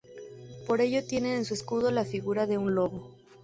Por ello tiene en su escudo la figura de un lobo.